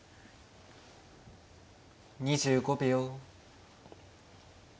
２５秒。